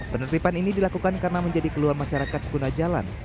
penertipan ini dilakukan karena menjadi keluar masyarakat guna jalan